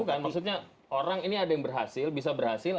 bukan maksudnya orang ini ada yang berhasil bisa berhasil